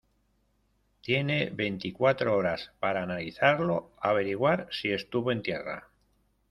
tiene veinticuatro horas para analizarlo, averiguar si estuvo en tierra